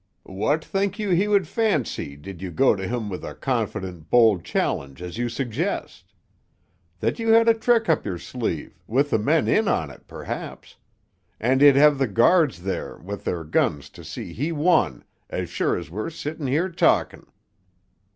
"What think you he would fancy, did you go to him with a confident bold challenge as you suggest? That you had a trick up your sleeve, with the men in on it, perhaps; and he'd have the guards there with their guns to see he won as sure as we're sitting here talking.